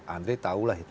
andre tahulah itu